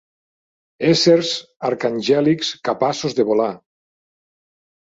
Éssers arcangèlics capaços de volar.